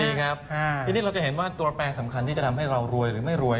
ดีครับทีนี้เราจะเห็นว่าตัวแปรสำคัญที่จะทำให้เรารวยหรือไม่รวย